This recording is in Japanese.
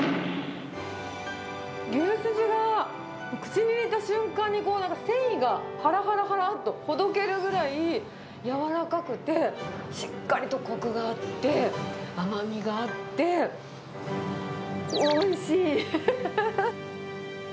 牛すじが口に入れた瞬間に、繊維がはらはらはらっとほどけるぐらいやわらかくて、しっかりとこくがあって、甘みがあって、おいしい。